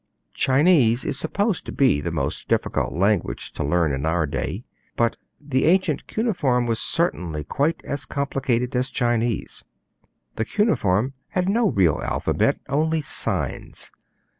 Chinese is supposed to be the most difficult language to learn in our day; but the ancient cuneiform was certainly quite as complicated as Chinese. The cuneiform had no real alphabet, only 'signs.'